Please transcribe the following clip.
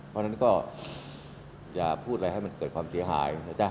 เพราะฉะนั้นก็อย่าพูดอะไรให้มันเกิดความเสียหายนะจ๊ะ